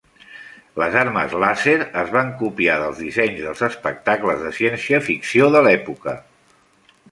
Les armes làser es van copiar dels dissenys dels espectacles de ciència ficció de l'època.